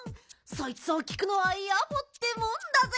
そいつをきくのはやぼってもんだぜ。